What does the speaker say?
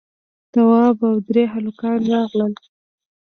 تواب او درې هلکان راغلل.